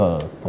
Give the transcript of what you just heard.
gak ada keragam